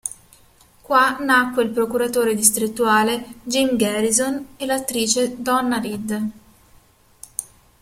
Qua nacque il procuratore distrettuale Jim Garrison e l'attrice Donna Reed.